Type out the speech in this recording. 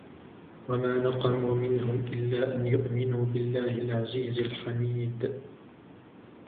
وما نقموا منهم إلا أن يؤمنوا بالله العزيز الحميد